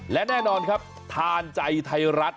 และแน่นอนครับทานใจไทยรัฐ